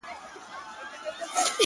خود به يې اغزی پرهر؛ پرهر جوړ کړي؛